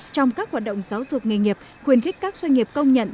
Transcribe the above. trong các hoạt động giáo dục nghề nghiệp khuyến khích các doanh nghiệp công nhận